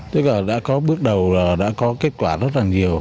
tức là đã có bước đầu là đã có kết quả rất là nhiều